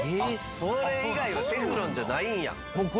それ以外はテフロンじゃないんや。